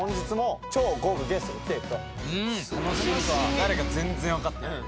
誰か全然分かってないです。